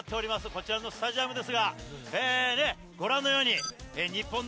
こちらのスタジアムですがご覧のように。